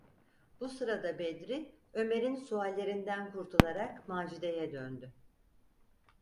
Bu sırada Bedri, Ömer’in suallerinden kurtularak Macide’ye döndü: